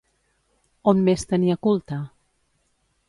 On més tenia culte?